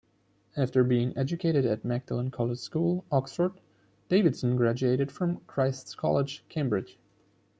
After being educated at Magdalen College School, Oxford, Davidson graduated from Christ's College, Cambridge.